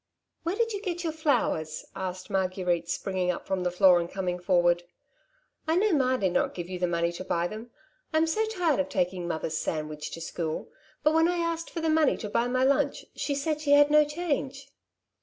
'^ Where did you get your flowers ?" asked Mar guerite, springing up from the floor and coming forward. '' I know ma did not give you the money to buy them. I am so tired of taking mother's sand wich to school, but when I asked for the money to buy my lunch, she said she had no change."